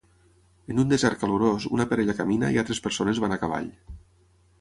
En un desert calorós una parella camina i altres persones van a cavall.